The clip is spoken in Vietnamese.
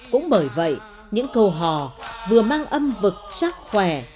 cũng bởi vậy những câu hò vừa mang âm vực chắc khỏe